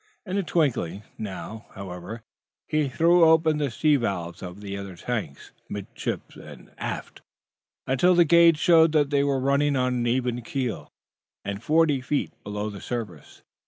In a twinkling, now, however, he threw open the sea valves of other tanks, amidships and aft, until the gauge showed that they were running on an even keel and forty feet below the surface.